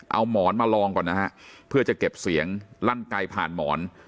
เอาหมอนมาลองก่อนนะฮะเพื่อจะเก็บเสียงลั่นไกลผ่านหมอน